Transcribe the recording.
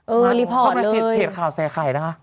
เออรีพอร์ตเลยเข้ามาเพจข่าวแสงไข่นะคะ